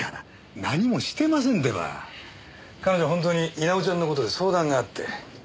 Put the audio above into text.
本当に稲尾ちゃんの事で相談があって。